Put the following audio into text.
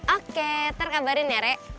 oke ntar kabarin ya rek